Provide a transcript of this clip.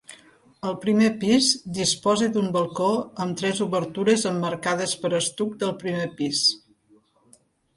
El primer pis disposa d'un balcó amb tres obertures emmarcades per estuc del primer pis.